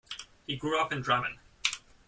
He grew up in Drammen.